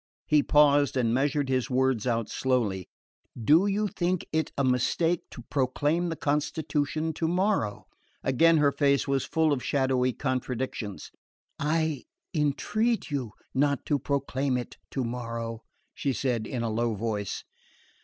He paused, and measured his words out slowly. "Do you think it a mistake to proclaim the constitution tomorrow?" Again her face was full of shadowy contradictions. "I entreat you not to proclaim it tomorrow," she said in a low voice.